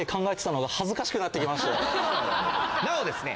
なおですね